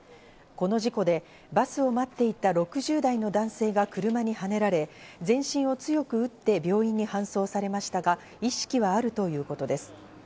この事故でバスを待っていた６０代の男性が車にはねられ、全身を強く打って病院に搬送されましたが、意識はあるということです。